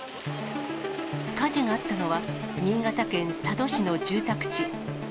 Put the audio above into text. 火事があったのは、新潟県佐渡市の住宅地。